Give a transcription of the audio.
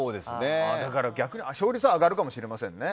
だから逆に勝率は上がるかもしれませんね。